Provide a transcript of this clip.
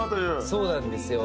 そうなんですよ。